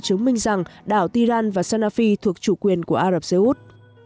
chứng minh rằng đảo tiran và sanafi thuộc chủ quyền của ả rập xê út